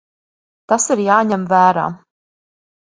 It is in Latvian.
Tas ir jāņem vērā.